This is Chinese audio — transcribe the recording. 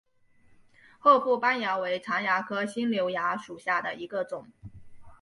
褐腹斑蚜为常蚜科新瘤蚜属下的一个种。